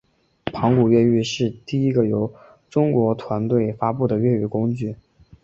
盘古越狱是第一个由中国团队发布的越狱工具。